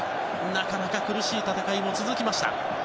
なかなか苦しい戦いも続きました。